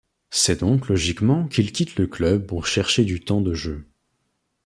C’est donc logiquement qu’il quitte le club pour chercher du temps de jeu.